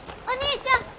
お兄ちゃん。